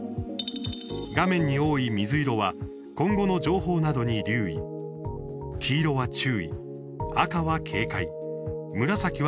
画面に多い水色は今後の情報などに留意黄色は注意、赤は警戒、紫は危険